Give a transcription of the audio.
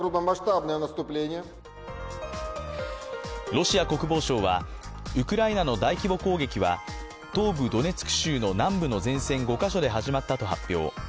ロシア国防省はウクライナの大規模攻撃は東部ドネツク州の南部の前線５か所で始まったと発表。